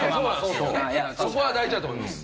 そこは大事だと思います。